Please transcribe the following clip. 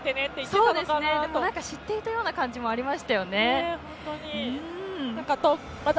知っていたような感じもありましたよね。